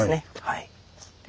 はい。